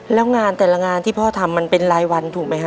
แล้วงานแต่ละงานที่พ่อทำมันเป็นรายวันถูกไหมฮ